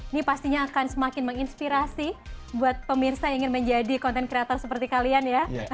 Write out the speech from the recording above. ini pastinya akan semakin menginspirasi buat pemirsa yang ingin menjadi content creator seperti kalian ya